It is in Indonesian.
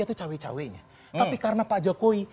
itu cawe cawe nya tapi karena pak jokowi